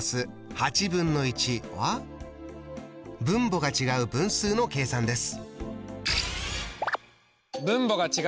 分母が違う分数の計算です。